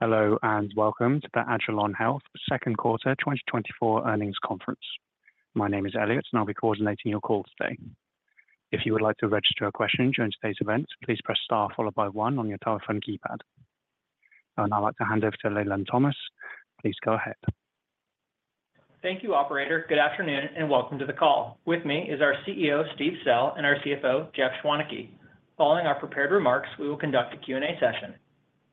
Hello, and welcome to the Agilon Health second quarter 2024 earnings conference. My name is Elliot, and I'll be coordinating your call today. If you would like to register a question during today's event, please press star followed by one on your telephone keypad. I would now like to hand over to Leland Thomas. Please go ahead. Thank you, operator. Good afternoon, and welcome to the call. With me is our CEO, Steve Sell, and our CFO, Jeff Schwaneke. Following our prepared remarks, we will conduct a Q&A session.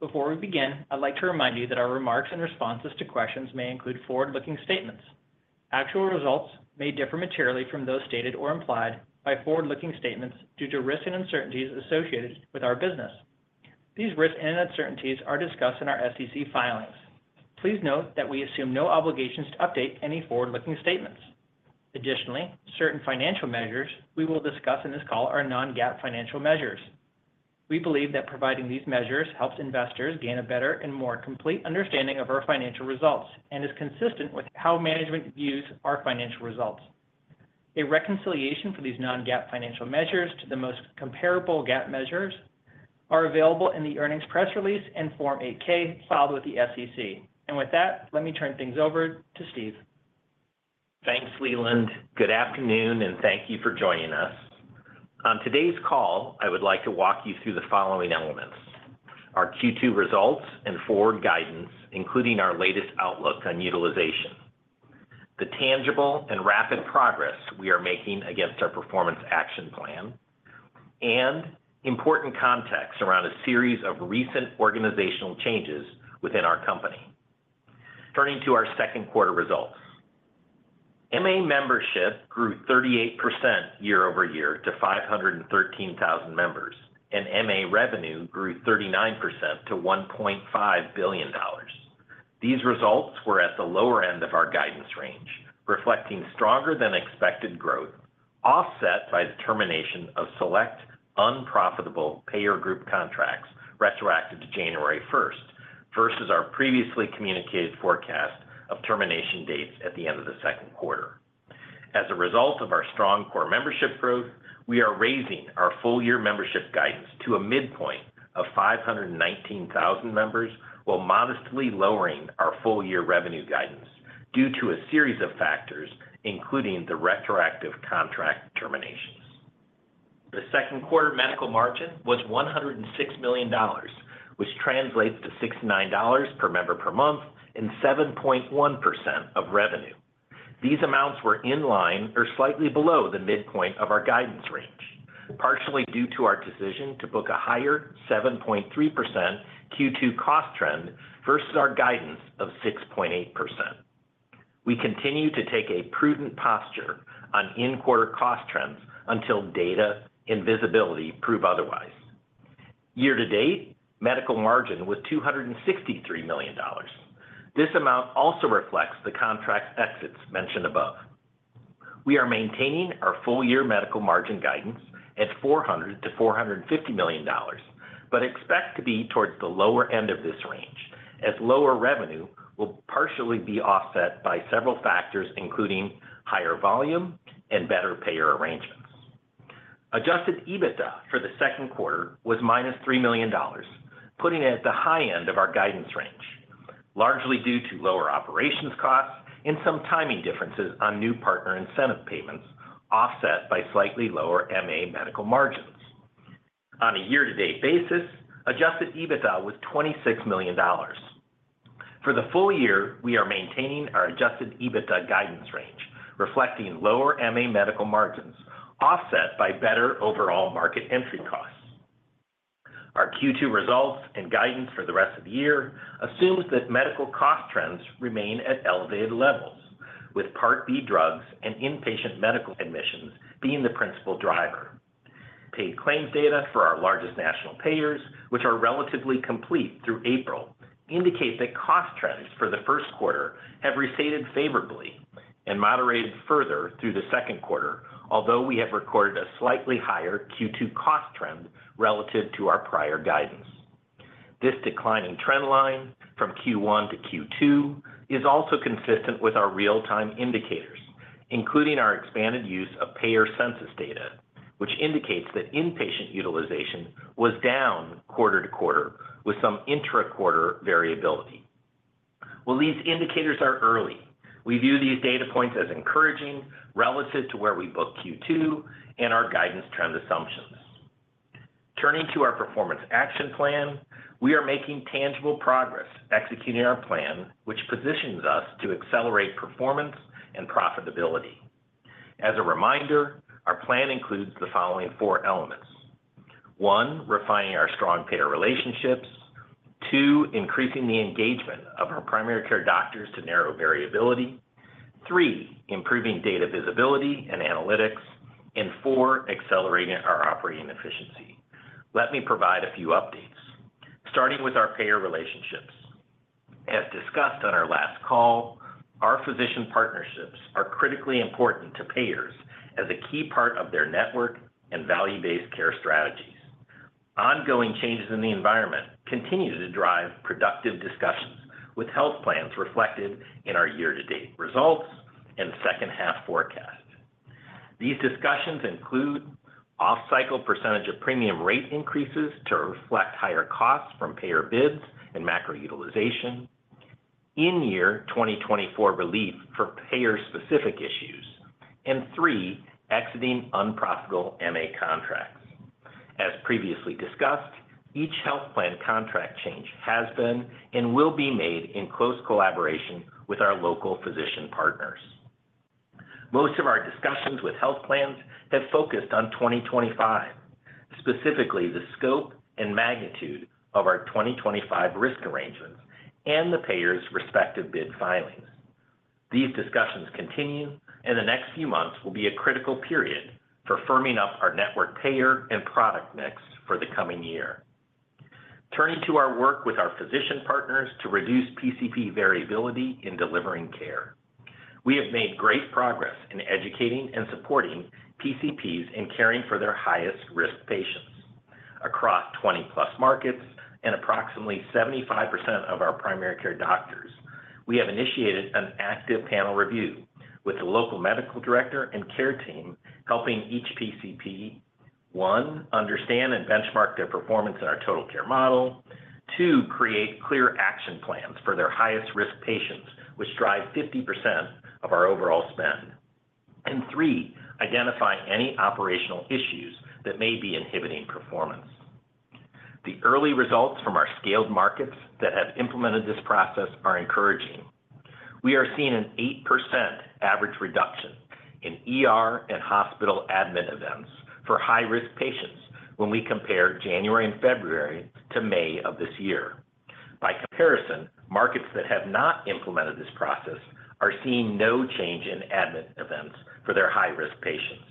Before we begin, I'd like to remind you that our remarks and responses to questions may include forward-looking statements. Actual results may differ materially from those stated or implied by forward-looking statements due to risks and uncertainties associated with our business. These risks and uncertainties are discussed in our SEC filings. Please note that we assume no obligations to update any forward-looking statements. Additionally, certain financial measures we will discuss in this call are non-GAAP financial measures. We believe that providing these measures helps investors gain a better and more complete understanding of our financial results, and is consistent with how management views our financial results. A reconciliation for these non-GAAP financial measures to the most comparable GAAP measures are available in the earnings press release and Form 8-K filed with the SEC. With that, let me turn things over to Steve. Thanks, Leland. Good afternoon, and thank you for joining us. On today's call, I would like to walk you through the following elements: Our Q2 results and forward guidance, including our latest outlook on utilization, the tangible and rapid progress we are making against our performance action plan, and important context around a series of recent organizational changes within our company. Turning to our second quarter results. MA membership grew 38% year-over-year to 513,000 members, and MA revenue grew 39% to $1.5 billion. These results were at the lower end of our guidance range, reflecting stronger than expected growth, offset by the termination of select unprofitable payer group contracts retroactive to January first, versus our previously communicated forecast of termination dates at the end of the second quarter. As a result of our strong core membership growth, we are raising our full-year membership guidance to a midpoint of 519,000 members, while modestly lowering our full-year revenue guidance due to a series of factors, including the retroactive contract terminations. The second quarter medical margin was $106 million, which translates to $69 per member per month and 7.1% of revenue. These amounts were in line or slightly below the midpoint of our guidance range, partially due to our decision to book a higher 7.3% Q2 cost trend versus our guidance of 6.8%. We continue to take a prudent posture on in-quarter cost trends until data and visibility prove otherwise. Year to date, medical margin was $263 million. This amount also reflects the contract exits mentioned above. We are maintaining our full year medical margin guidance at $400 million-$450 million, but expect to be towards the lower end of this range, as lower revenue will partially be offset by several factors, including higher volume and better payer arrangements. Adjusted EBITDA for the second quarter was -$3 million, putting it at the high end of our guidance range, largely due to lower operations costs and some timing differences on new partner incentive payments, offset by slightly lower MA medical margins. On a year-to-date basis, Adjusted EBITDA was $26 million. For the full year, we are maintaining our Adjusted EBITDA guidance range, reflecting lower MA medical margins, offset by better overall market entry costs. Our Q2 results and guidance for the rest of the year assumes that medical cost trends remain at elevated levels, with Part B drugs and inpatient medical admissions being the principal driver. Paid claims data for our largest national payers, which are relatively complete through April, indicate that cost trends for the first quarter have restated favorably and moderated further through the second quarter, although we have recorded a slightly higher Q2 cost trend relative to our prior guidance. This declining trend line from Q1 to Q2 is also consistent with our real-time indicators, including our expanded use of payer census data, which indicates that inpatient utilization was down quarter to quarter, with some intra-quarter variability. While these indicators are early, we view these data points as encouraging relative to where we book Q2 and our guidance trend assumptions. Turning to our performance action plan, we are making tangible progress executing our plan, which positions us to accelerate performance and profitability. As a reminder, our plan includes the following four elements: One, refining our strong payer relationships. Two, increasing the engagement of our primary care doctors to narrow variability. Three, improving data visibility and analytics. And four, accelerating our operating efficiency. Let me provide a few updates, starting with our payer relationships. As discussed on our last call, our physician partnerships are critically important to payers as a key part of their network and value-based care strategies. Ongoing changes in the environment continue to drive productive discussions with health plans reflected in our year-to-date results and second half forecast. These discussions include off-cycle percentage of premium rate increases to reflect higher costs from payer bids and macro utilization, in-year 2024 relief for payer-specific issues, and 3, exiting unprofitable MA contracts. As previously discussed, each health plan contract change has been and will be made in close collaboration with our local physician partners. Most of our discussions with health plans have focused on 2025, specifically the scope and magnitude of our 2025 risk arrangements and the payer's respective bid filings. These discussions continue, and the next few months will be a critical period for firming up our network payer and product mix for the coming year. Turning to our work with our physician partners to reduce PCP variability in delivering care. We have made great progress in educating and supporting PCPs in caring for their highest risk patients. Across 20+ markets and approximately 75% of our primary care doctors, we have initiated an active panel review with the local medical director and care team, helping each PCP, one, understand and benchmark their performance in our total care model. Two, create clear action plans for their highest risk patients, which drive 50% of our overall spend. And three, identify any operational issues that may be inhibiting performance. The early results from our scaled markets that have implemented this process are encouraging. We are seeing an 8% average reduction in ER and hospital admin events for high-risk patients when we compare January and February to May of this year. By comparison, markets that have not implemented this process are seeing no change in admin events for their high-risk patients.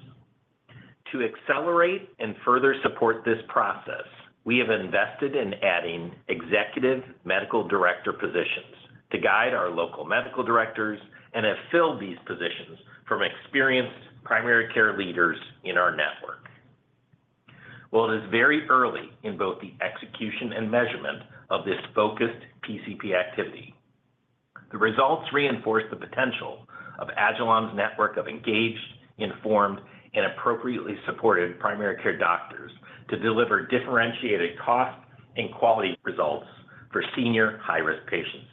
To accelerate and further support this process, we have invested in adding executive medical director positions to guide our local medical directors and have filled these positions from experienced primary care leaders in our network. While it is very early in both the execution and measurement of this focused PCP activity, the results reinforce the potential of Agilon's network of engaged, informed, and appropriately supported primary care doctors to deliver differentiated cost and quality results for senior high-risk patients.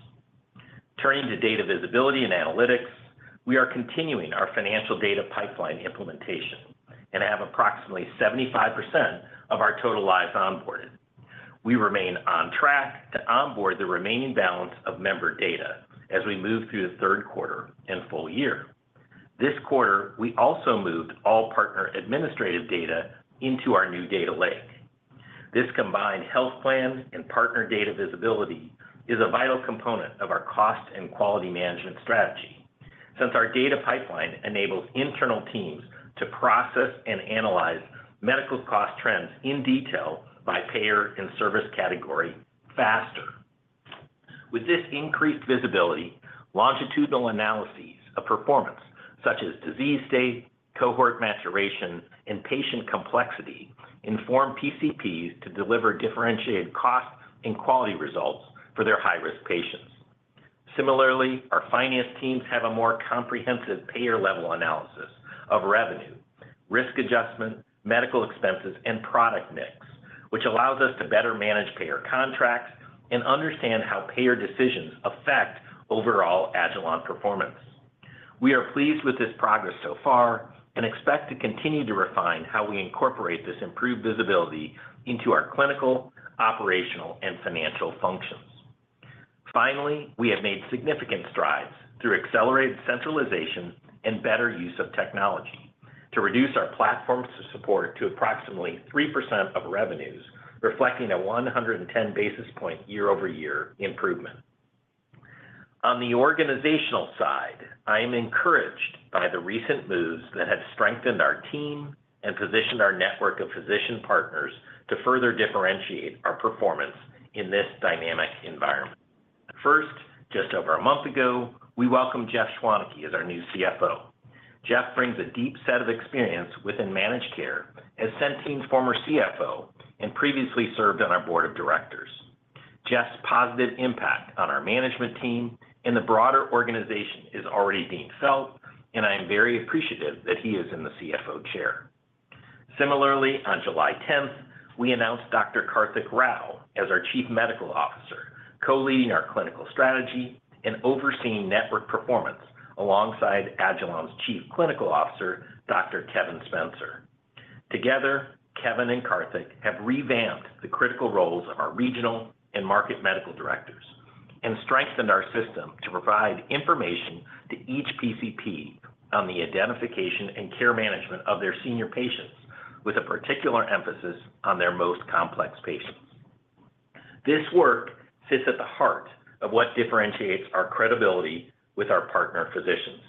Turning to data visibility and analytics, we are continuing our financial data pipeline implementation and have approximately 75% of our total lives onboarded. We remain on track to onboard the remaining balance of member data as we move through the third quarter and full year. This quarter, we also moved all partner administrative data into our new data lake. This combined health plan and partner data visibility is a vital component of our cost and quality management strategy. Since our data pipeline enables internal teams to process and analyze medical cost trends in detail by payer and service category faster. With this increased visibility, longitudinal analyses of performance, such as disease state, cohort maturation, and patient complexity, inform PCPs to deliver differentiated cost and quality results for their high-risk patients. Similarly, our finance teams have a more comprehensive payer-level analysis of revenue, risk adjustment, medical expenses, and product mix, which allows us to better manage payer contracts and understand how payer decisions affect overall Agilon performance. We are pleased with this progress so far and expect to continue to refine how we incorporate this improved visibility into our clinical, operational, and financial functions. Finally, we have made significant strides through accelerated centralization and better use of technology to reduce our platform support to approximately 3% of revenues, reflecting a 110 basis point year-over-year improvement. On the organizational side, I am encouraged by the recent moves that have strengthened our team and positioned our network of physician partners to further differentiate our performance in this dynamic environment. First, just over a month ago, we welcomed Jeff Schwaneke as our new CFO. Jeff brings a deep set of experience within managed care as Centene's former CFO, and previously served on our board of directors. Jeff's positive impact on our management team and the broader organization is already being felt, and I am very appreciative that he is in the CFO chair. Similarly, on July tenth, we announced Dr. Karthik Rao as our Chief Medical Officer, co-leading our clinical strategy and overseeing network performance alongside agilon's Chief Clinical Officer, Dr. Kevin Spencer. Together, Kevin and Karthik have revamped the critical roles of our regional and market medical directors and strengthened our system to provide information to each PCP on the identification and care management of their senior patients, with a particular emphasis on their most complex patients. This work sits at the heart of what differentiates our credibility with our partner physicians.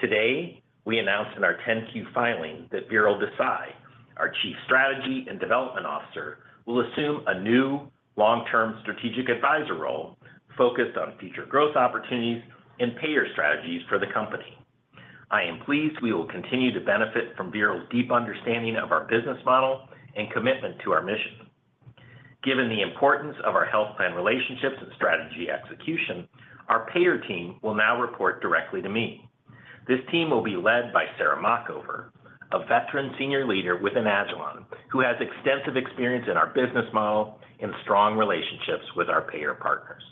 Today, we announced in our 10-Q filing that Viral Desai, our Chief Strategy and Development Officer, will assume a new long-term strategic advisor role focused on future growth opportunities and payer strategies for the company. I am pleased we will continue to benefit from Viral's deep understanding of our business model and commitment to our mission. Given the importance of our health plan relationships and strategy execution, our payer team will now report directly to me. This team will be led by Sarah Machover, a veteran senior leader within Agilon, who has extensive experience in our business model and strong relationships with our payer partners.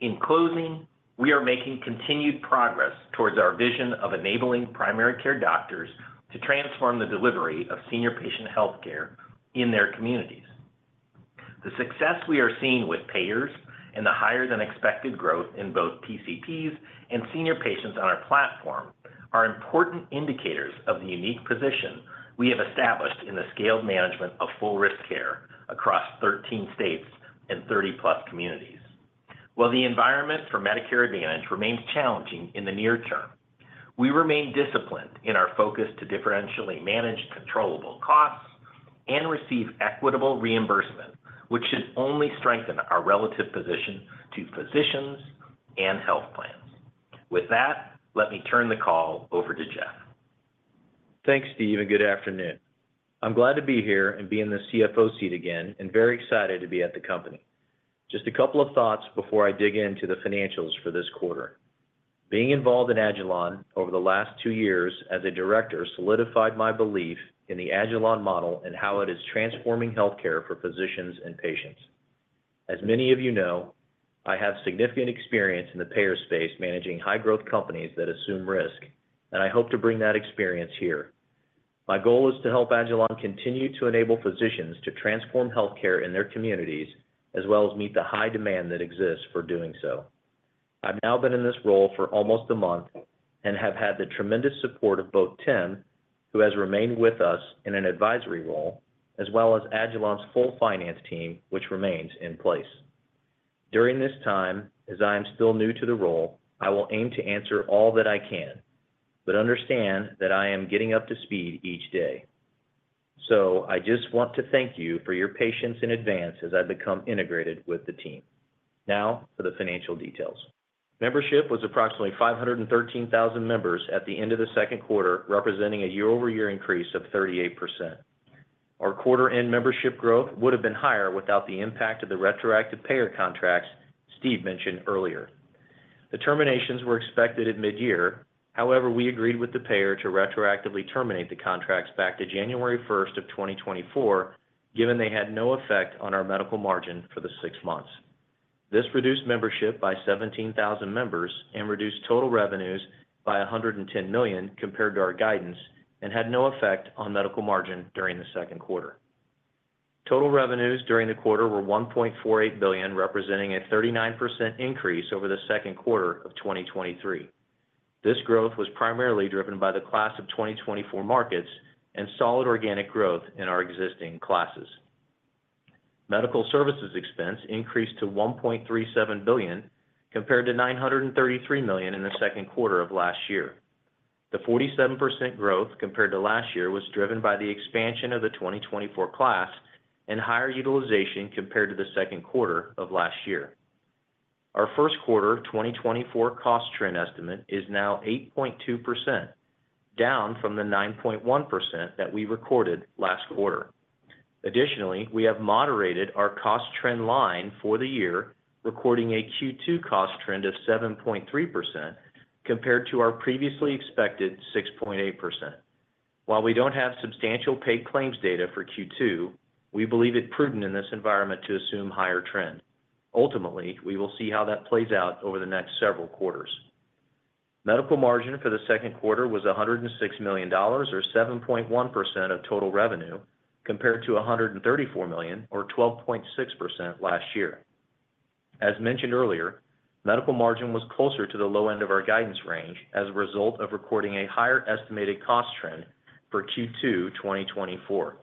In closing, we are making continued progress towards our vision of enabling primary care doctors to transform the delivery of senior patient healthcare in their communities. The success we are seeing with payers and the higher-than-expected growth in both PCPs and senior patients on our platform are important indicators of the unique position we have established in the scaled management of full risk care across 13 states and 30+ communities. While the environment for Medicare Advantage remains challenging in the near term, we remain disciplined in our focus to differentially manage controllable costs and receive equitable reimbursement, which should only strengthen our relative position to physicians and health plans. With that, let me turn the call over to Jeff. Thanks, Steve, and good afternoon. I'm glad to be here and be in the CFO seat again, and very excited to be at the company. Just a couple of thoughts before I dig into the financials for this quarter. Being involved in Agilon over the last two years as a director solidified my belief in the Agilon model and how it is transforming healthcare for physicians and patients. As many of you know, I have significant experience in the payer space, managing high-growth companies that assume risk, and I hope to bring that experience here. My goal is to help Agilon continue to enable physicians to transform healthcare in their communities, as well as meet the high demand that exists for doing so. I've now been in this role for almost a month and have had the tremendous support of both Tim, who has remained with us in an advisory role, as well as Agilon's full finance team, which remains in place. During this time, as I am still new to the role, I will aim to answer all that I can, but understand that I am getting up to speed each day. So I just want to thank you for your patience in advance as I become integrated with the team. Now for the financial details. Membership was approximately 513,000 members at the end of the second quarter, representing a year-over-year increase of 38%. Our quarter-end membership growth would have been higher without the impact of the retroactive payer contracts Steve mentioned earlier. The terminations were expected at midyear. However, we agreed with the payer to retroactively terminate the contracts back to January 1st, 2024, given they had no effect on our medical margin for the six months. This reduced membership by 17,000 members and reduced total revenues by $110 million compared to our guidance, and had no effect on medical margin during the second quarter. Total revenues during the quarter were $1.48 billion, representing a 39% increase over the second quarter of 2023. This growth was primarily driven by the class of 2024 markets and solid organic growth in our existing classes. Medical services expense increased to $1.37 billion, compared to $933 million in the second quarter of last year. The 47% growth compared to last year was driven by the expansion of the 2024 class and higher utilization compared to the second quarter of last year. Our first quarter of 2024 cost trend estimate is now 8.2%, down from the 9.1% that we recorded last quarter. Additionally, we have moderated our cost trend line for the year, recording a Q2 cost trend of 7.3% compared to our previously expected 6.8%. While we don't have substantial paid claims data for Q2, we believe it prudent in this environment to assume higher trend. Ultimately, we will see how that plays out over the next several quarters. Medical margin for the second quarter was $106 million, or 7.1% of total revenue, compared to $134 million or 12.6% last year. As mentioned earlier, medical margin was closer to the low end of our guidance range as a result of recording a higher estimated cost trend for Q2 2024.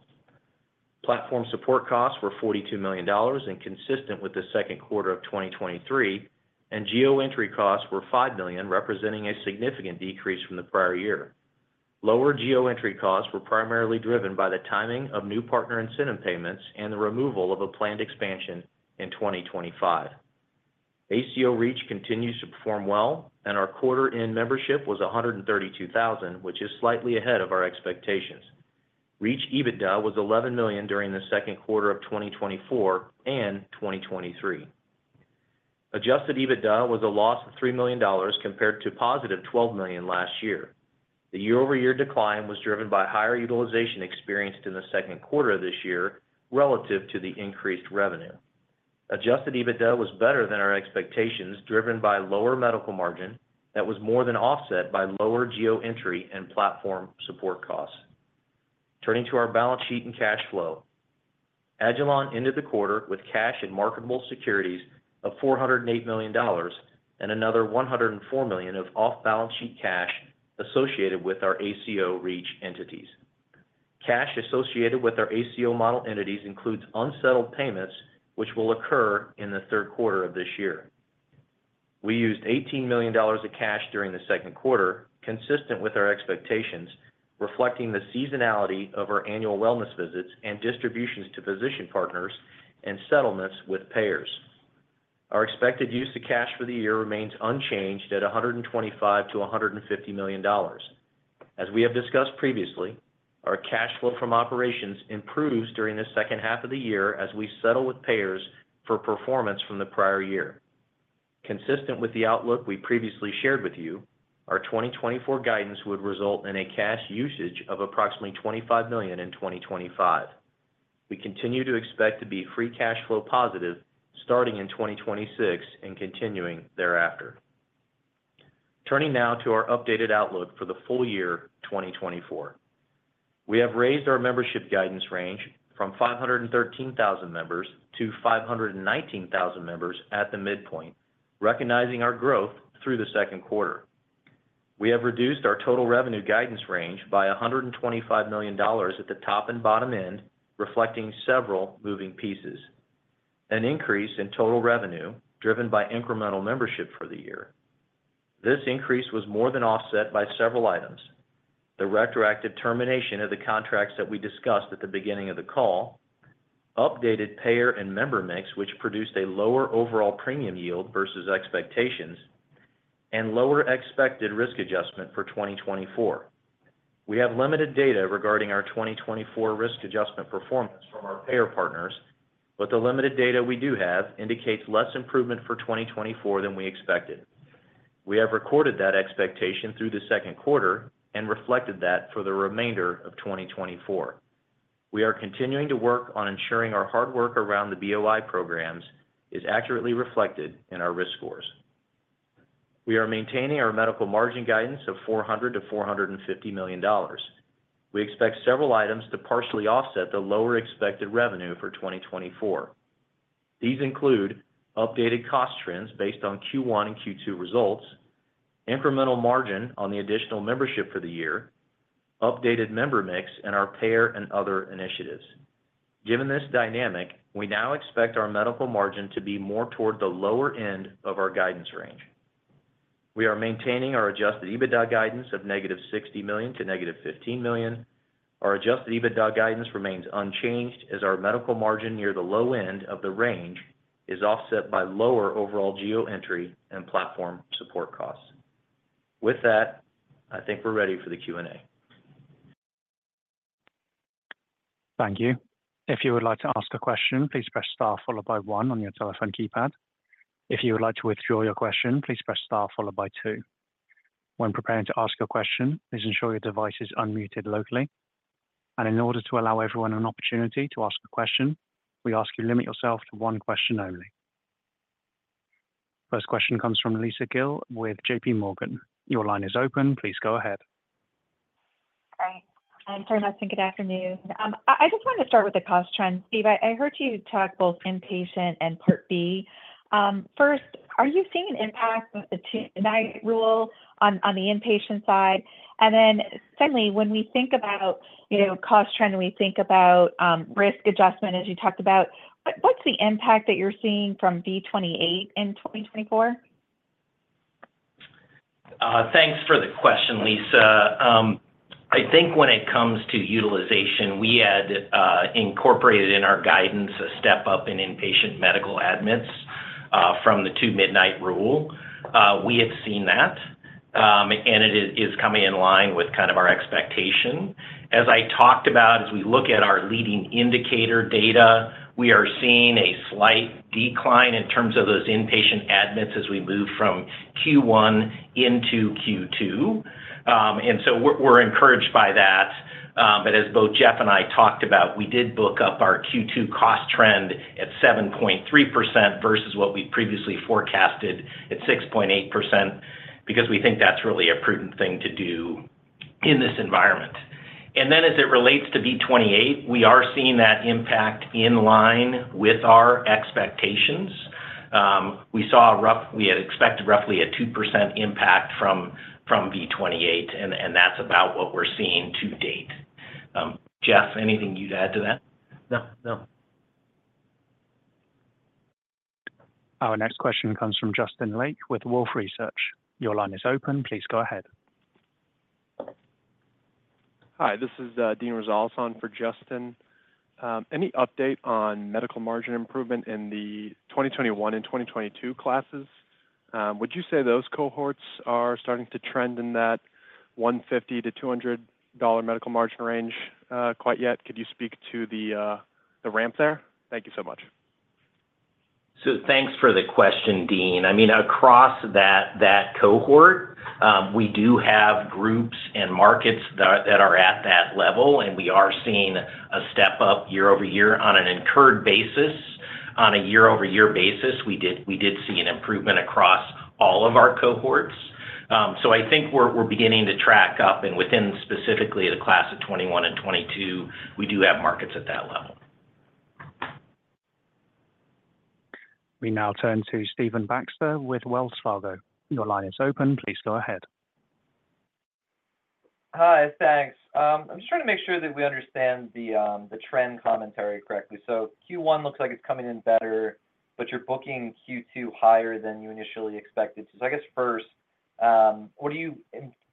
Platform support costs were $42 million and consistent with the second quarter of 2023, and geo entry costs were $5 million, representing a significant decrease from the prior year. Lower geo entry costs were primarily driven by the timing of new partner incentive payments and the removal of a planned expansion in 2025. ACO REACH continues to perform well, and our quarter end membership was 132,000, which is slightly ahead of our expectations. REACH EBITDA was $11 million during the second quarter of 2024 and 2023. Adjusted EBITDA was a loss of $3 million, compared to positive $12 million last year. The year-over-year decline was driven by higher utilization experienced in the second quarter of this year relative to the increased revenue. Adjusted EBITDA was better than our expectations, driven by lower medical margin that was more than offset by lower geo entry and platform support costs. Turning to our balance sheet and cash flow. agilon ended the quarter with cash and marketable securities of $408 million, and another $104 million of off-balance sheet cash associated with our ACO REACH entities. Cash associated with our ACO model entities includes unsettled payments, which will occur in the third quarter of this year. We used $18 million of cash during the second quarter, consistent with our expectations, reflecting the seasonality of our annual wellness visits and distributions to physician partners and settlements with payers. Our expected use of cash for the year remains unchanged at $125 million-$150 million. As we have discussed previously, our cash flow from operations improves during the second half of the year as we settle with payers for performance from the prior year. Consistent with the outlook we previously shared with you, our 2024 guidance would result in a cash usage of approximately $25 million in 2025. We continue to expect to be free cash flow positive, starting in 2026 and continuing thereafter. Turning now to our updated outlook for the full year 2024. We have raised our membership guidance range from 513,000 members to 519,000 members at the midpoint, recognizing our growth through the second quarter. We have reduced our total revenue guidance range by $125 million at the top and bottom end, reflecting several moving pieces. An increase in total revenue, driven by incremental membership for the year. This increase was more than offset by several items. The retroactive termination of the contracts that we discussed at the beginning of the call, updated payer and member mix, which produced a lower overall premium yield versus expectations, and lower expected risk adjustment for 2024. We have limited data regarding our 2024 risk adjustment performance from our payer partners, but the limited data we do have indicates less improvement for 2024 than we expected. We have recorded that expectation through the second quarter and reflected that for the remainder of 2024. We are continuing to work on ensuring our hard work around the BOI programs is accurately reflected in our risk scores. We are maintaining our medical margin guidance of $400 million-$450 million. We expect several items to partially offset the lower expected revenue for 2024. These include updated cost trends based on Q1 and Q2 results, incremental margin on the additional membership for the year, updated member mix, and our payer and other initiatives. Given this dynamic, we now expect our medical margin to be more toward the lower end of our guidance range. We are maintaining our Adjusted EBITDA guidance of -$60 million to -$15 million. Our Adjusted EBITDA guidance remains unchanged, as our Medical Margin near the low end of the range is offset by lower overall Geo Entry and Platform Support Costs. With that, I think we're ready for the Q&A. Thank you. If you would like to ask a question, please press star followed by one on your telephone keypad. If you would like to withdraw your question, please press star followed by two. When preparing to ask a question, please ensure your device is unmuted locally, and in order to allow everyone an opportunity to ask a question, we ask you to limit yourself to one question only. First question comes from Lisa Gill with JPMorgan. Your line is open. Please go ahead. Great. Thanks very much, and good afternoon. I just wanted to start with the cost trend. Steve, I heard you talk both inpatient and Part B. First, are you seeing an impact with the Two-Midnight Rule on the inpatient side? And then secondly, when we think about, you know, cost trend, and we think about, risk adjustment, as you talked about, what, what's the impact that you're seeing from V28 in 2024? Thanks for the question, Lisa. I think when it comes to utilization, we had incorporated in our guidance, a step up in inpatient medical admits from the Two-Midnight Rule. We have seen that, and it is coming in line with kind of our expectation. As I talked about, as we look at our leading indicator data, we are seeing a slight decline in terms of those inpatient admits as we move from Q1 into Q2. And so we're encouraged by that. But as both Jeff and I talked about, we did book up our Q2 cost trend at 7.3% versus what we previously forecasted at 6.8%, because we think that's really a prudent thing to do in this environment. And then as it relates to V28, we are seeing that impact in line with our expectations. We had expected roughly a 2% impact from V28, and that's about what we're seeing to date. Jeff, anything you'd add to that? No, no. Our next question comes from Justin Lake with Wolfe Research. Your line is open. Please go ahead. Hi, this is Dean Rosal on for Justin. Any update on medical margin improvement in the 2021 and 2022 classes? Would you say those cohorts are starting to trend in that $150-$200 medical margin range quite yet? Could you speak to the ramp there? Thank you so much. So thanks for the question, Dean. I mean, across that cohort, we do have groups and markets that are at that level, and we are seeing a step up year-over-year on an incurred basis. On a year-over-year basis, we did see an improvement across all of our cohorts. So I think we're beginning to track up and within specifically the Class of 2021 and 2022, we do have markets at that level. We now turn to Steven Baxter with Wells Fargo. Your line is open. Please go ahead. Hi, thanks. I'm just trying to make sure that we understand the trend commentary correctly. So Q1 looks like it's coming in better, but you're booking Q2 higher than you initially expected. So I guess first. What are you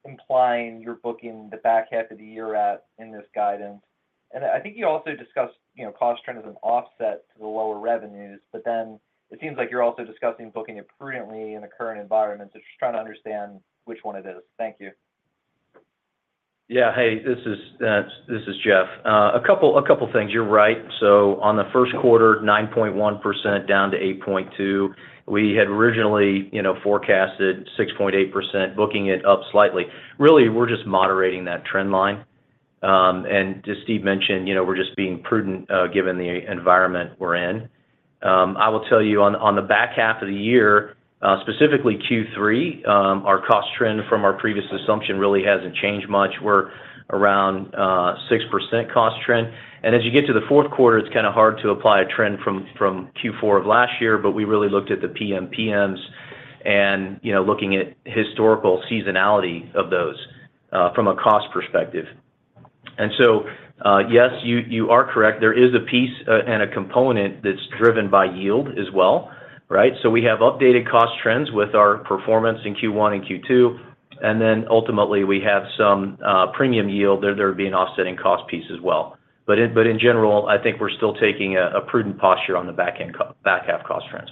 implying you're booking the back half of the year at in this guidance? And I think you also discussed, you know, cost trend as an offset to the lower revenues, but then it seems like you're also discussing booking it prudently in the current environment. So just trying to understand which one it is. Thank you. Yeah. Hey, this is Jeff. A couple, a couple things. You're right. So on the first quarter, 9.1% down to 8.2%, we had originally, you know, forecasted 6.8%, booking it up slightly. Really, we're just moderating that trend line. And as Steve mentioned, you know, we're just being prudent, given the environment we're in. I will tell you on the back half of the year, specifically Q3, our cost trend from our previous assumption really hasn't changed much. We're around 6% cost trend. And as you get to the fourth quarter, it's kind of hard to apply a trend from Q4 of last year, but we really looked at the PMPMs and, you know, looking at historical seasonality of those from a cost perspective. And so, yes, you are correct, there is a piece and a component that's driven by yield as well, right? So we have updated cost trends with our performance in Q1 and Q2, and then ultimately we have some premium yield that there would be an offsetting cost piece as well. But in general, I think we're still taking a prudent posture on the back half cost trends.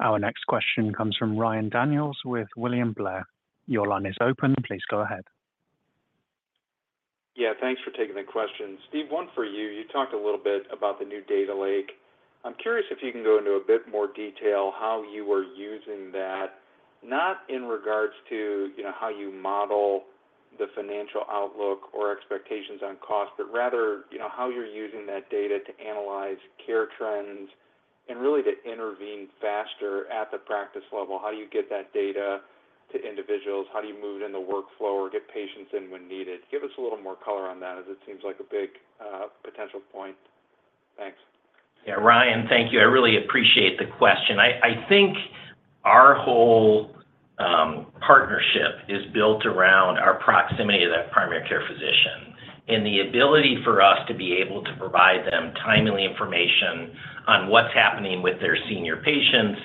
Our next question comes from Ryan Daniels with William Blair. Your line is open, please go ahead. Yeah, thanks for taking the question. Steve, one for you. You talked a little bit about the new Data Lake. I'm curious if you can go into a bit more detail how you are using that, not in regards to, you know, how you model the financial outlook or expectations on cost, but rather, you know, how you're using that data to analyze care trends and really to intervene faster at the practice level. How do you get that data to individuals? How do you move it in the workflow or get patients in when needed? Give us a little more color on that, as it seems like a big potential point. Thanks. Yeah, Ryan, thank you. I really appreciate the question. I think our whole partnership is built around our proximity to that primary care physician, and the ability for us to be able to provide them timely information on what's happening with their senior patients,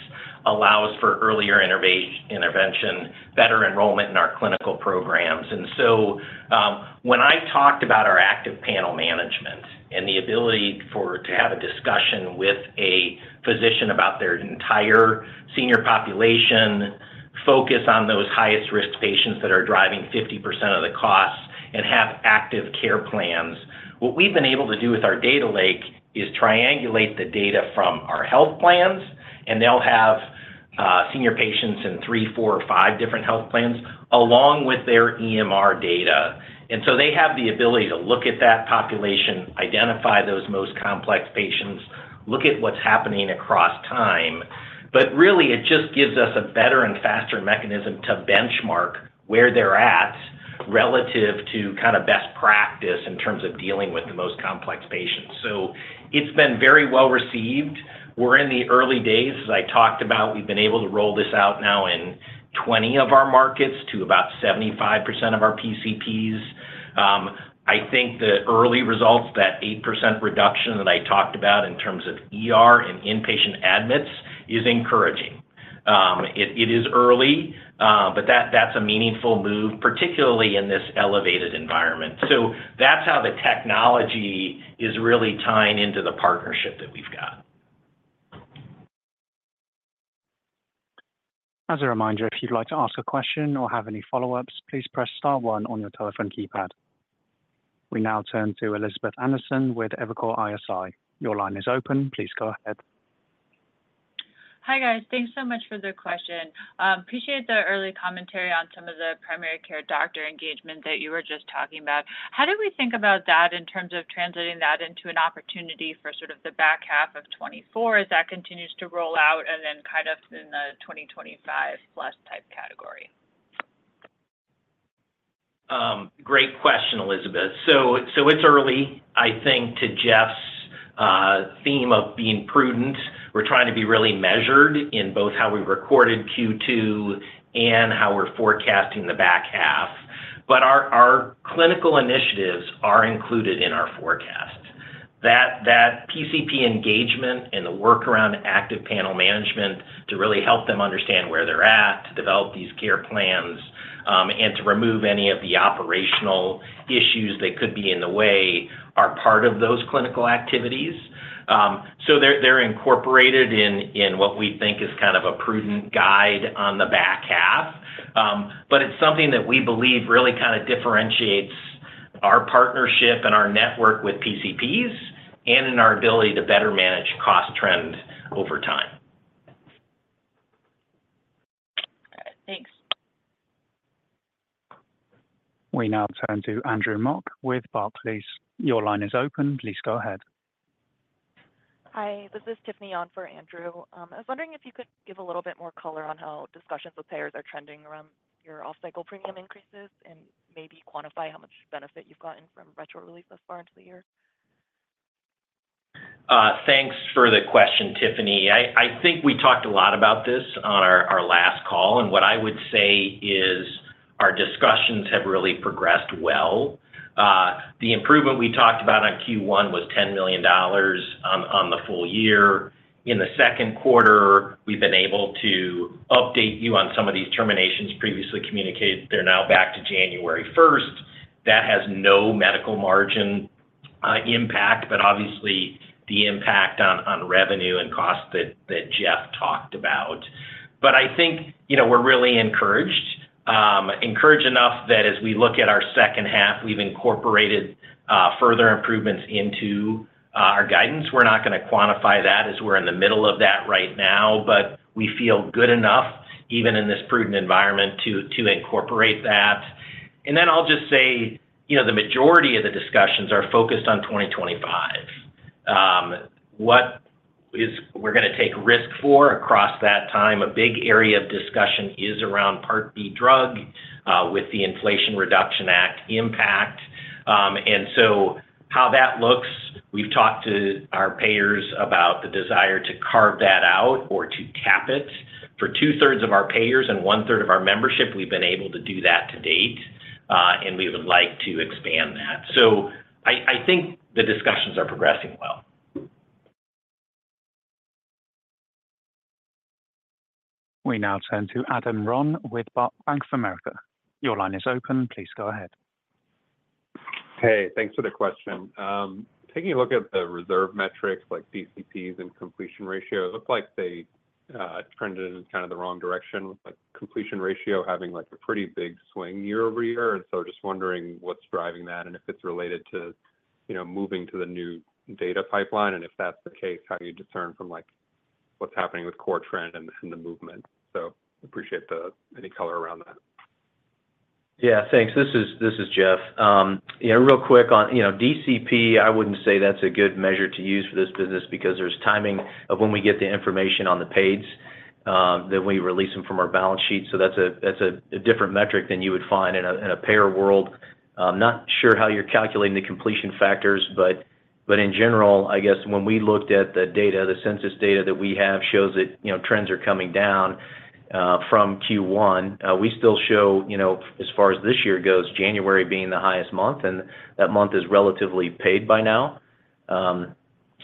allows for earlier intervention, better enrollment in our clinical programs. So, when I talked about our active panel management and the ability to have a discussion with a physician about their entire senior population, focus on those highest risk patients that are driving 50% of the costs and have active care plans. What we've been able to do with our Data Lake is triangulate the data from our health plans, and they'll have senior patients in three, four, or five different health plans, along with their EMR data. And so they have the ability to look at that population, identify those most complex patients, look at what's happening across time. But really, it just gives us a better and faster mechanism to benchmark where they're at, relative to kind of best practice in terms of dealing with the most complex patients. So it's been very well received. We're in the early days. As I talked about, we've been able to roll this out now in 20 of our markets to about 75% of our PCPs. I think the early results, that 8% reduction that I talked about in terms of ER and inpatient admits, is encouraging. It is early, but that's a meaningful move, particularly in this elevated environment. So that's how the technology is really tying into the partnership that we've got. As a reminder, if you'd like to ask a question or have any follow-ups, please press star one on your telephone keypad. We now turn to Elizabeth Anderson with Evercore ISI. Your line is open, please go ahead. Hi, guys. Thanks so much for the question. Appreciate the early commentary on some of the primary care doctor engagement that you were just talking about. How do we think about that in terms of translating that into an opportunity for sort of the back half of 2024, as that continues to roll out, and then kind of in the 2025 plus type category? Great question, Elizabeth. So, it's early. I think to Jeff's theme of being prudent, we're trying to be really measured in both how we recorded Q2 and how we're forecasting the back half. But our clinical initiatives are included in our forecast. That PCP engagement and the work around active panel management to really help them understand where they're at, to develop these care plans, and to remove any of the operational issues that could be in the way, are part of those clinical activities. So they're incorporated in what we think is kind of a prudent guide on the back half. But it's something that we believe really kind of differentiates our partnership and our network with PCPs and in our ability to better manage cost trend over time. All right, thanks. We now turn to Andrew Mock with Barclays. Your line is open, please go ahead. Hi, this is Tiffany on for Andrew. I was wondering if you could give a little bit more color on how discussions with payers are trending around your off-cycle premium increases, and maybe quantify how much benefit you've gotten from retro release thus far into the year? Thanks for the question, Tiffany. I think we talked a lot about this on our last call, and what I would say is our discussions have really progressed well. The improvement we talked about on Q1 was $10 million on the full year. In the second quarter, we've been able to update you on some of these terminations previously communicated. They're now back to January 1st. That has no medical margin impact, but obviously the impact on revenue and cost that Jeff talked about. But I think, you know, we're really encouraged, encouraged enough that as we look at our second half, we've incorporated further improvements into our guidance. We're not gonna quantify that as we're in the middle of that right now, but we feel good enough, even in this prudent environment, to incorporate that. And then I'll just say, you know, the majority of the discussions are focused on 2025. What we're gonna take risk for across that time? A big area of discussion is around Part D drug with the Inflation Reduction Act impact. And so how that looks, we've talked to our payers about the desire to carve that out or to cap it. For two-thirds of our payers and one-third of our membership, we've been able to do that to date, and we would like to expand that. So I, I think the discussions are progressing well. We now turn to Adam Ron with Bank of America. Your line is open. Please go ahead. Hey, thanks for the question. Taking a look at the reserve metrics, like DCPs and completion ratio, it looked like they turned in kind of the wrong direction, with like, completion ratio having, like a pretty big swing year-over-year. And so just wondering what's driving that, and if it's related to, you know, moving to the new data pipeline, and if that's the case, how do you discern from, like, what's happening with core trend and, and the movement? So appreciate any color around that. Yeah, thanks. This is, this is Jeff. Yeah, real quick on, you know, DCP, I wouldn't say that's a good measure to use for this business, because there's timing of when we get the information on the pays, then we release them from our balance sheet. So that's a, that's a, a different metric than you would find in a, in a payer world. I'm not sure how you're calculating the completion factors, but, but in general, I guess when we looked at the data, the census data that we have shows that, you know, trends are coming down from Q1. We still show, you know, as far as this year goes, January being the highest month, and that month is relatively paid by now.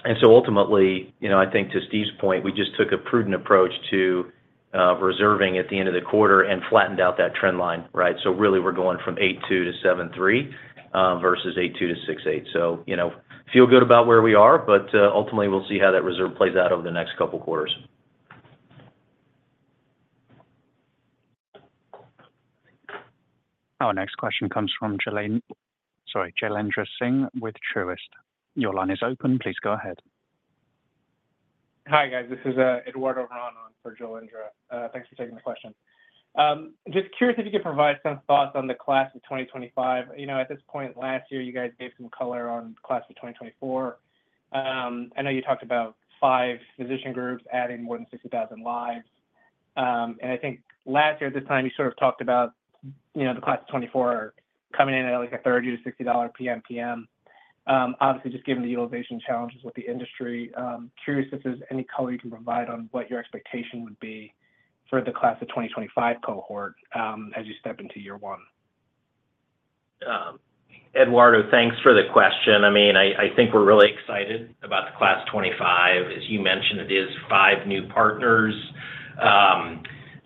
And so ultimately, you know, I think to Steve's point, we just took a prudent approach to reserving at the end of the quarter and flattened out that trend line, right? So really, we're going from 8.2 to 7.3 versus 8.2 to 6.8. So, you know, feel good about where we are, but ultimately, we'll see how that reserve plays out over the next couple of quarters. Our next question comes from Jailendra—sorry, Jailendra Singh with Truist. Your line is open. Please go ahead. Hi, guys, this is Eduardo Ron for Jailendra. Thanks for taking the question. Just curious if you could provide some thoughts on the Class of 2025. You know, at this point last year, you guys gave some color on Class of 2024. I know you talked about five physician groups adding more than 60,000 lives. I think last year at this time, you sort of talked about, you know, the Class of 2024 coming in at, like, a $30-$60 PMPM. Obviously, just given the utilization challenges with the industry, curious if there's any color you can provide on what your expectation would be for the Class of 2025 cohort, as you step into year one? Eduardo, thanks for the question. I mean, I, I think we're really excited about the Class of 2025. As you mentioned, it is five new partners.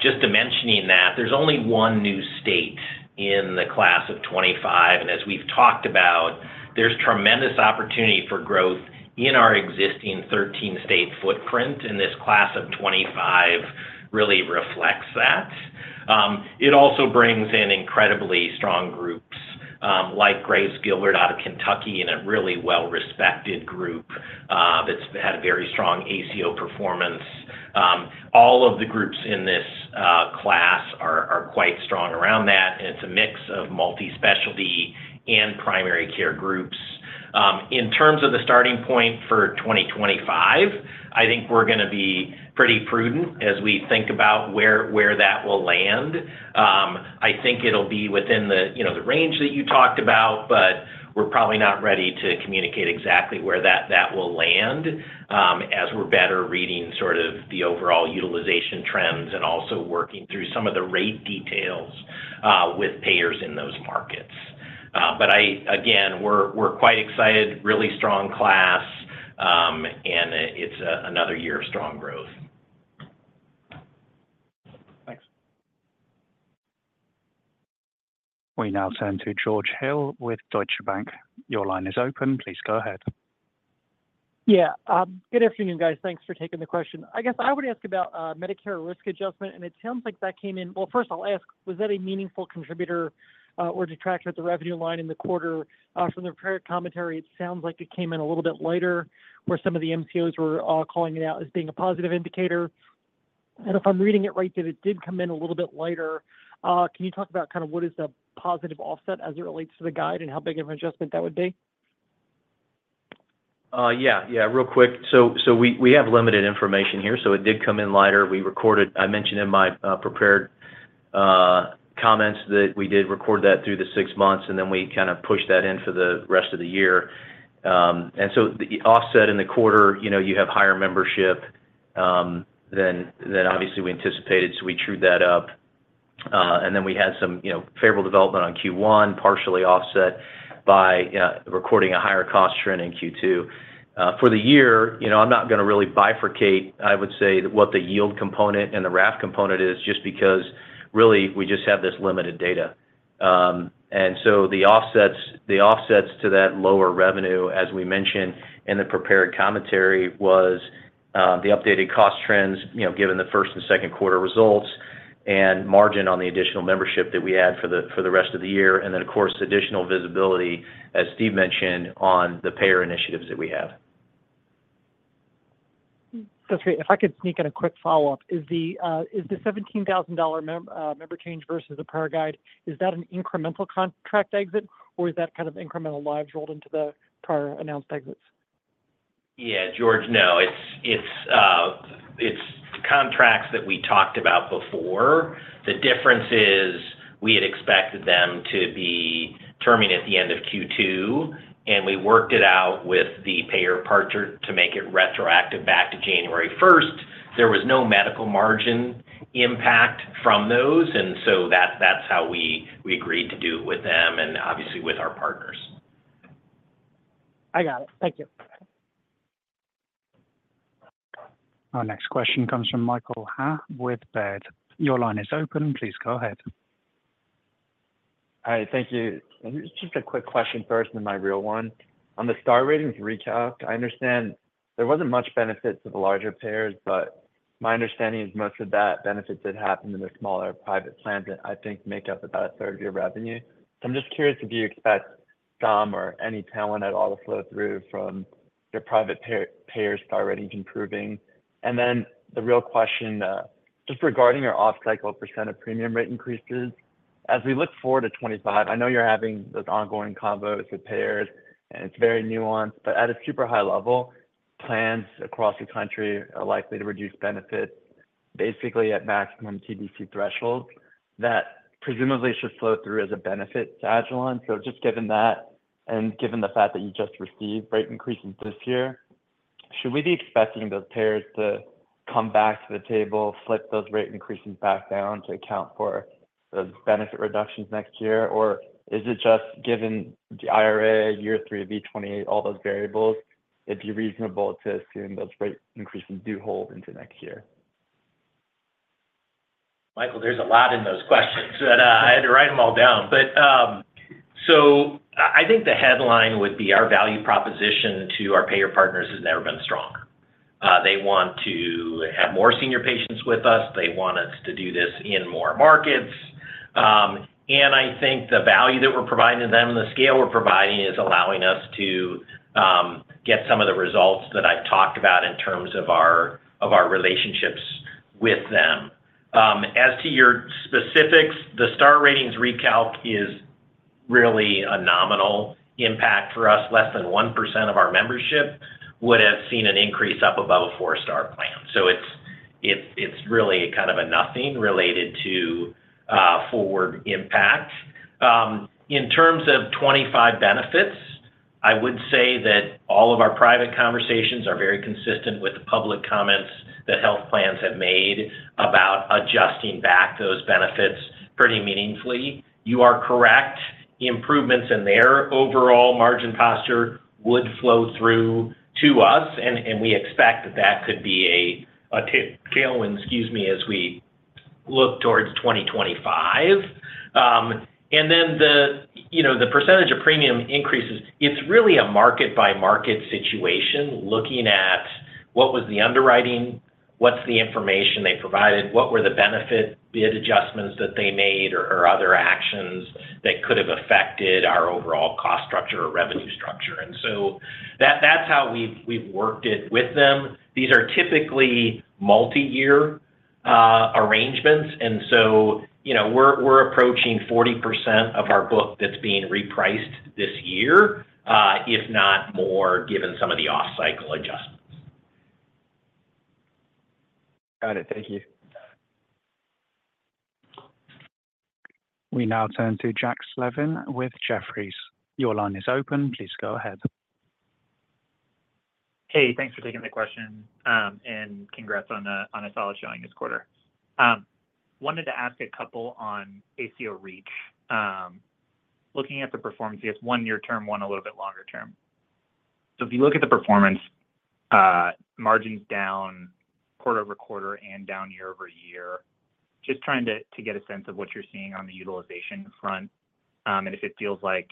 Just mentioning that, there's only one new state in the Class of 2025, and as we've talked about, there's tremendous opportunity for growth in our existing 13-state footprint, and this Class of 2025 really reflects that. It also brings in incredibly strong groups, like Graves Gilbert out of Kentucky, and a really well-respected group, that's had a very strong ACO performance. All of the groups in this class are, are quite strong around that, and it's a mix of multi-specialty and primary care groups. In terms of the starting point for 2025, I think we're gonna be pretty prudent as we think about where, where that will land. I think it'll be within the, you know, the range that you talked about, but we're probably not ready to communicate exactly where that, that will land, as we're better reading sort of the overall utilization trends and also working through some of the rate details, with payers in those markets. But again, we're, we're quite excited, really strong class, and it's another year of strong growth. Thanks. We now turn to George Hill with Deutsche Bank. Your line is open. Please go ahead. Yeah, good afternoon, guys. Thanks for taking the question. I guess I would ask about Medicare risk adjustment, and it sounds like that came in. Well, first I'll ask, was that a meaningful contributor or detractor at the revenue line in the quarter? From the prepared commentary, it sounds like it came in a little bit lighter, where some of the MCOs were calling it out as being a positive indicator. And if I'm reading it right, that it did come in a little bit lighter. Can you talk about kind of what is the positive offset as it relates to the guide, and how big of an adjustment that would be? Yeah, yeah, real quick. So we have limited information here, so it did come in lighter. I mentioned in my prepared comments that we did record that through the six months, and then we kind of pushed that in for the rest of the year. And so the offset in the quarter, you know, you have higher membership. Then obviously we anticipated, so we trued that up. And then we had some, you know, favorable development on Q1, partially offset by recording a higher cost trend in Q2. For the year, you know, I'm not gonna really bifurcate, I would say, what the yield component and the RAF component is, just because, really, we just have this limited data. And so the offsets to that lower revenue, as we mentioned in the prepared commentary, was the updated cost trends, you know, given the first and second quarter results, and margin on the additional membership that we had for the rest of the year. And then, of course, additional visibility, as Steve mentioned, on the payer initiatives that we have. If I could sneak in a quick follow-up? Is the 17,000 member change versus the prior guide an incremental contract exit, or is that kind of incremental lives rolled into the prior announced exits? Yeah, George, no. It's contracts that we talked about before. The difference is, we had expected them to be terminated at the end of Q2, and we worked it out with the payer partner to make it retroactive back to January 1st. There was no Medical Margin impact from those, and so that's how we agreed to do it with them and obviously with our partners. I got it. Thank you. Our next question comes from Michael Ha with Baird. Your line is open. Please go ahead. Hi, thank you. Just a quick question first, then my real one. On the star ratings recalc, I understand there wasn't much benefit to the larger payers, but my understanding is much of that benefit did happen in the smaller private plans that I think make up about a third of your revenue. So I'm just curious if you expect some or any talent at all to flow through from your private payers star ratings improving? And then the real question, just regarding your off-cycle percent of premium rate increases. As we look forward to 2025, I know you're having those ongoing convos with payers, and it's very nuanced, but at a super high level, plans across the country are likely to reduce benefits, basically at maximum TBC thresholds, that presumably should flow through as a benefit to Agilon. So just given that, and given the fact that you just received rate increases this year, should we be expecting those payers to come back to the table, slip those rate increases back down to account for those benefit reductions next year? Or is it just given the IRA year three, V28, all those variables, it'd be reasonable to assume those rate increases do hold into next year? Michael, there's a lot in those questions, and I had to write them all down. But, so I think the headline would be our value proposition to our payer partners has never been stronger. They want to have more senior patients with us. They want us to do this in more markets. And I think the value that we're providing to them and the scale we're providing is allowing us to get some of the results that I've talked about in terms of our relationships with them. As to your specifics, the Star Ratings recalc is really a nominal impact for us. Less than 1% of our membership would have seen an increase up above a four-star plan. So it's really kind of a nothing related to forward impact. In terms of 25 benefits, I would say that all of our private conversations are very consistent with the public comments that health plans have made about adjusting back those benefits pretty meaningfully. You are correct. Improvements in their overall margin posture would flow through to us, and we expect that that could be a tailwind, excuse me, as we look towards 2025. And then the, you know, the percentage of premium increases, it's really a market-by-market situation, looking at what was the underwriting, what's the information they provided, what were the benefit bid adjustments that they made, or other actions that could have affected our overall cost structure or revenue structure. And so that's how we've worked it with them. These are typically multiyear arrangements, and so, you know, we're approaching 40% of our book that's being repriced this year, if not more, given some of the off-cycle adjustments. Got it. Thank you. We now turn to Jack Slevin with Jefferies. Your line is open. Please go ahead. Hey, thanks for taking the question. And congrats on a solid showing this quarter. Wanted to ask a couple on ACO REACH. Looking at the performance, there's one near-term, one a little bit longer-term. So if you look at the performance, margins down quarter-over-quarter and down year-over-year. Just trying to get a sense of what you're seeing on the utilization front, and if it feels like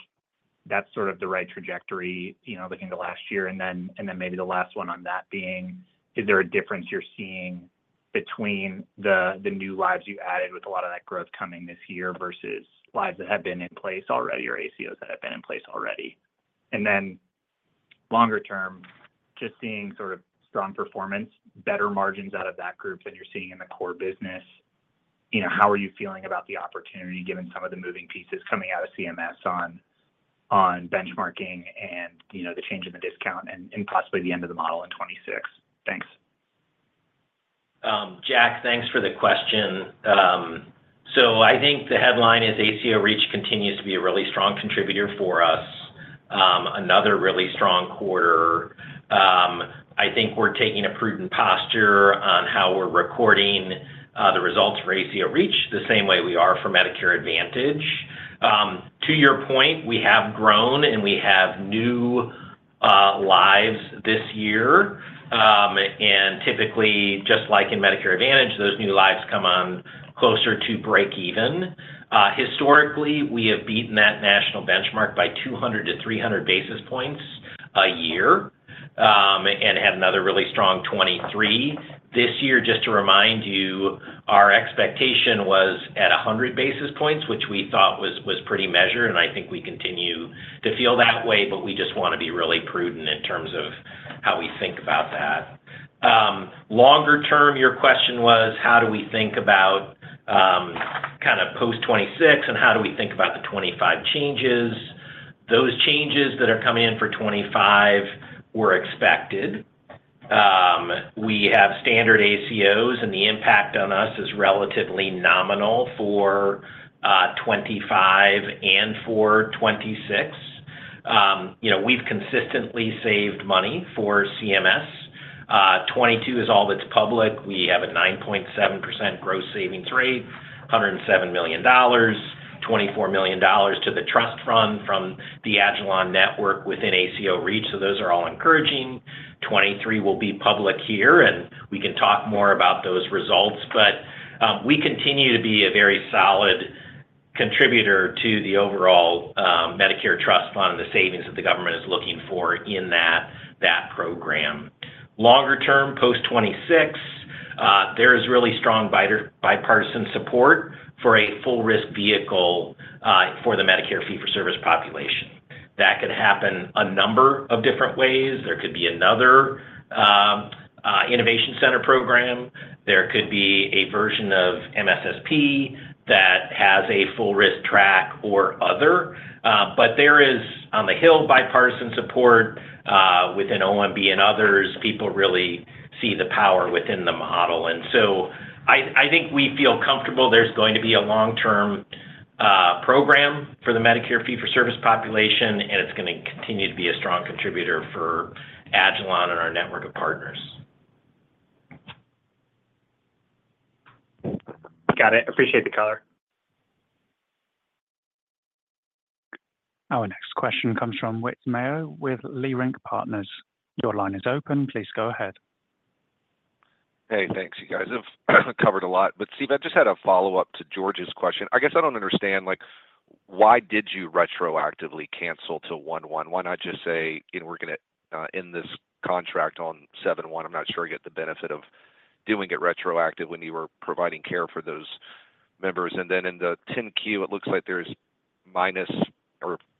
that's sort of the right trajectory, you know, looking to last year. And then maybe the last one on that being, is there a difference you're seeing between the new lives you added with a lot of that growth coming this year versus lives that have been in place already or ACOs that have been in place already? And then longer term, just seeing sort of strong performance, better margins out of that group than you're seeing in the core business, you know, how are you feeling about the opportunity, given some of the moving pieces coming out of CMS on, on benchmarking and, you know, the change in the discount and, and possibly the end of the model in 2026? Thanks. Jack, thanks for the question. So I think the headline is ACO Reach continues to be a really strong contributor for us. Another really strong quarter. I think we're taking a prudent posture on how we're recording, the results for ACO Reach, the same way we are for Medicare Advantage. To your point, we have grown, and we have new, lives this year. And typically, just like in Medicare Advantage, those new lives come on closer to breakeven. Historically, we have beaten that national benchmark by 200 basis points-300 basis points a year, and had another really strong 2023. This year, just to remind you, our expectation was at 100 basis points, which we thought was, was pretty measured, and I think we continue to feel that way, but we just want to be really prudent in terms of how we think about that. Longer term, your question was, how do we think about, kind of post 2026, and how do we think about the 2025 changes? Those changes that are coming in for 2025 were expected. We have standard ACOs, and the impact on us is relatively nominal for 2025 and for 2026. You know, we've consistently saved money for CMS. 2022 is all that's public. We have a 9.7% gross savings rate, $107 million, $24 million to the trust fund from the Agilon network within ACO Reach. So those are all encouraging. 2023 will be public here, and we can talk more about those results, but, we continue to be a very solid contributor to the overall, Medicare Trust Fund and the savings that the government is looking for in that, that program. Longer term, post 2026, there is really strong bipartisan support for a full risk vehicle, for the Medicare fee-for-service population. That could happen a number of different ways. There could be another, Innovation Center program. There could be a version of MSSP that has a full risk track or other, but there is, on the Hill, bipartisan support, within OMB and others. People really see the power within the model, and so I, I think we feel comfortable there's going to be a long-term program for the Medicare fee-for-service population, and it's gonna continue to be a strong contributor for Agilon and our network of partners. Got it. Appreciate the color. Our next question comes from Whit Mayo with Leerink Partners. Your line is open. Please go ahead. Hey, thanks, you guys. You've covered a lot, but Steve, I just had a follow-up to George's question. I guess I don't understand, like, why did you retroactively cancel to 1/1? Why not just say, "We're gonna end this contract on 7/1?" I'm not sure I get the benefit of doing it retroactive when you were providing care for those members. And then in the 10-Q, it looks like there's minus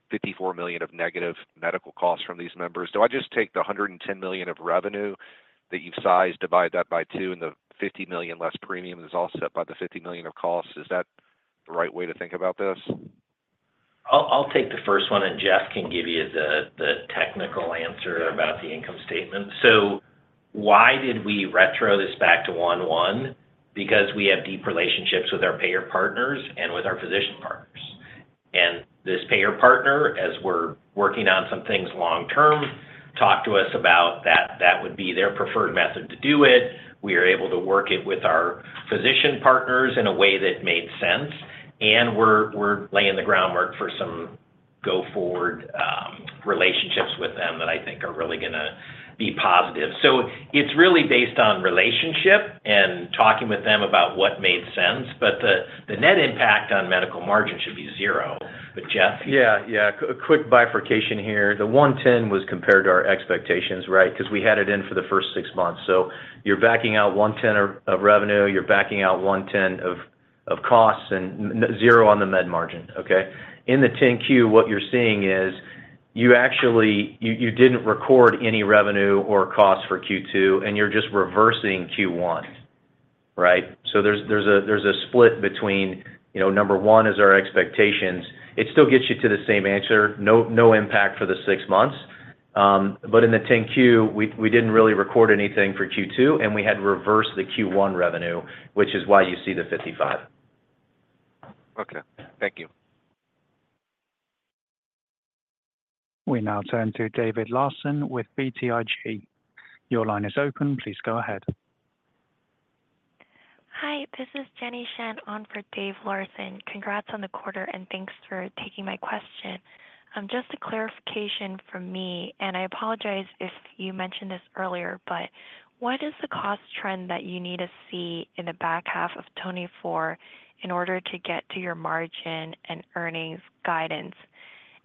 $54 million of negative medical costs from these members. Do I just take the $110 million of revenue that you've sized, divide that by two, and the $50 million less premium is offset by the $50 million of costs? Is that the right way to think about this? I'll take the first one, and Jeff can give you the technical answer about the income statement. So why did we retro this back to 1/1? Because we have deep relationships with our payer partners and with our physician partners. And this payer partner, as we're working on some things long term, talked to us about that. That would be their preferred method to do it. We are able to work it with our physician partners in a way that made sense, and we're laying the groundwork for some go-forward relationships with them that I think are really gonna be positive. So it's really based on relationship and talking with them about what made sense, but the net impact on medical margin should be zero. But, Jeff? Yeah. Yeah, a quick bifurcation here. The 110 was compared to our expectations, right? Because we had it in for the first six months. So you're backing out 110 of revenue, you're backing out 110 of costs, and net zero on the med margin, okay? In the 10-Q, what you're seeing is, you actually—you didn't record any revenue or cost for Q2, and you're just reversing Q1, right? So there's a split between, you know, number one is our expectations. It still gets you to the same answer, no impact for the six months. But in the 10-Q, we didn't really record anything for Q2, and we had to reverse the Q1 revenue, which is why you see the 55. Okay. Thank you. We now turn to David Larsen with BTIG. Your line is open. Please go ahead. Hi, this is Jenny Shan on for David Larsen. Congrats on the quarter, and thanks for taking my question. Just a clarification from me, and I apologize if you mentioned this earlier, but what is the cost trend that you need to see in the back half of 2024 in order to get to your margin and earnings guidance?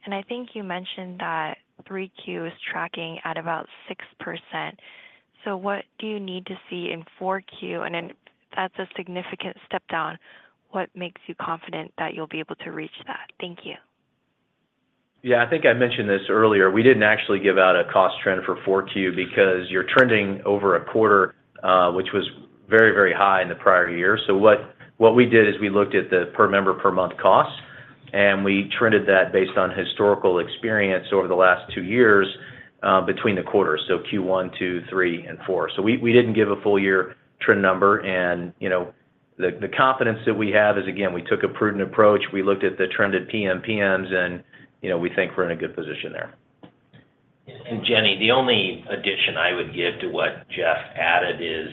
And I think you mentioned that 3Q is tracking at about 6%. So what do you need to see in 4Q? And then, that's a significant step down. What makes you confident that you'll be able to reach that? Thank you. Yeah, I think I mentioned this earlier. We didn't actually give out a cost trend for 4Q because you're trending over a quarter, which was very, very high in the prior year. So what we did is we looked at the per member per month cost. And we trended that based on historical experience over the last two years, between the quarters, so Q1, Q2, Q3, and Q4. So we didn't give a full year trend number. And, you know, the confidence that we have is, again, we took a prudent approach. We looked at the trended PMPMs, and, you know, we think we're in a good position there. Jenny, the only addition I would give to what Jeff added is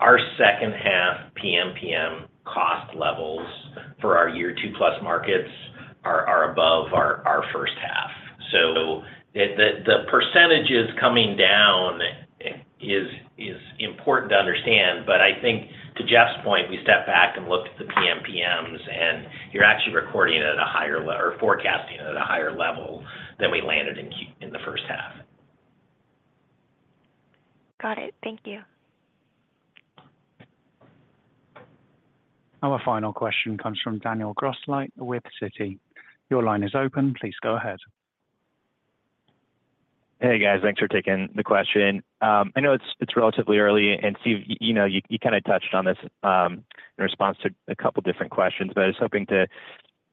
our second half PMPM cost levels for our year two plus markets are above our first half. So the percentages coming down is important to understand, but I think to Jeff's point, we stepped back and looked at the PMPMs, and you're actually recording it at a higher level or forecasting it at a higher level than we landed in the first half. Got it. Thank you. Our final question comes from Daniel Grosslight with Citi. Your line is open. Please go ahead. Hey, guys. Thanks for taking the question. I know it's relatively early, and Steve, you know, you kinda touched on this in response to a couple different questions, but I was hoping to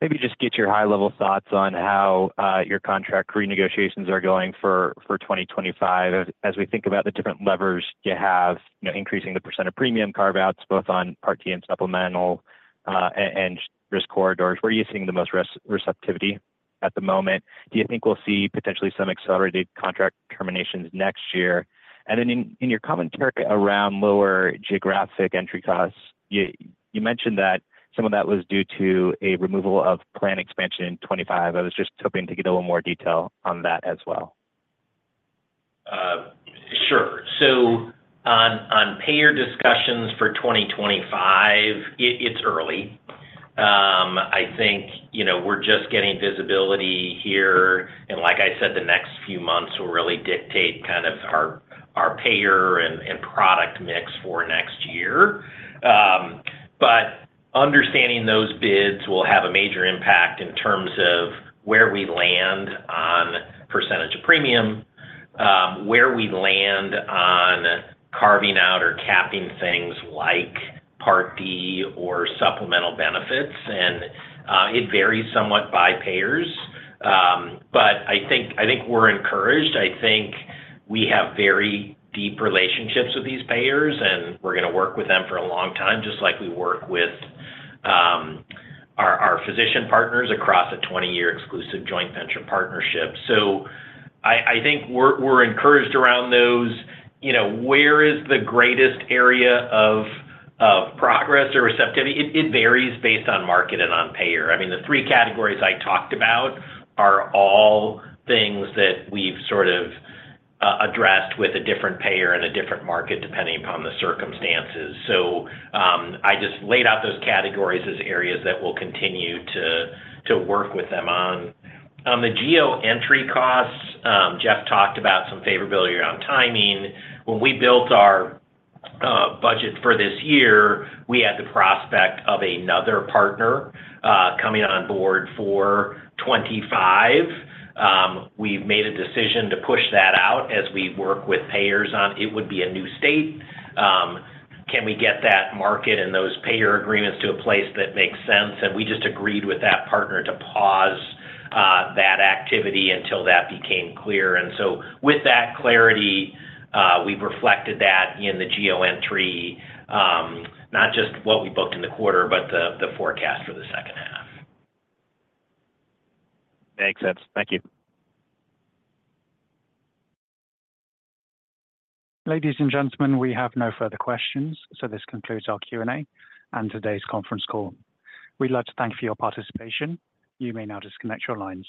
maybe just get your high-level thoughts on how your contract renegotiations are going for 2025. As we think about the different levers you have, you know, increasing the percent of premium carve-outs, both on Part D and supplemental, and risk corridors, where are you seeing the most receptivity at the moment? Do you think we'll see potentially some accelerated contract terminations next year? And then in your commentary around lower geographic entry costs, you mentioned that some of that was due to a removal of plan expansion in 25. I was just hoping to get a little more detail on that as well. Sure. So on, on payer discussions for 2025, it, it's early. I think, you know, we're just getting visibility here, and like I said, the next few months will really dictate kind of our, our payer and, and product mix for next year. But understanding those bids will have a major impact in terms of where we land on percentage of premium, where we land on carving out or capping things like Part D or supplemental benefits, and it varies somewhat by payers. But I think, I think we're encouraged. I think we have very deep relationships with these payers, and we're gonna work with them for a long time, just like we work with our, our physician partners across a 20-year exclusive joint venture partnership. So I, I think we're, we're encouraged around those. You know, where is the greatest area of progress or receptivity? It varies based on market and on payer. I mean, the three categories I talked about are all things that we've sort of addressed with a different payer and a different market, depending upon the circumstances. So, I just laid out those categories as areas that we'll continue to work with them on. On the Geo Entry Costs, Jeff talked about some favorability around timing. When we built our budget for this year, we had the prospect of another partner coming on board for 2025. We've made a decision to push that out as we work with payers on. It would be a new state. Can we get that market and those payer agreements to a place that makes sense? We just agreed with that partner to pause that activity until that became clear. So with that clarity, we've reflected that in the geo entry, not just what we booked in the quarter, but the forecast for the second half. Makes sense. Thank you. Ladies and gentlemen, we have no further questions, so this concludes our Q&A and today's conference call. We'd like to thank you for your participation. You may now disconnect your lines.